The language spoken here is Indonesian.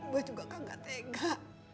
gue juga kagak tega